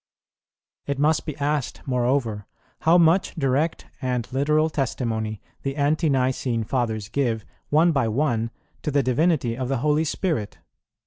It must be asked, moreover, how much direct and literal testimony the Ante nicene Fathers give, one by one, to the divinity of the Holy Spirit?